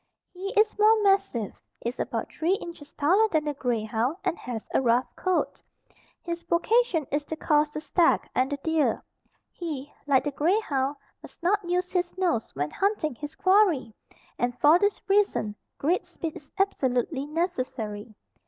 He is more massive, is about three inches taller than the grey hound and has a rough coat. His vocation is to course the stag and the deer. He, like the grey hound must not use his nose when hunting his quarry and for this reason great speed is absolutely necessary.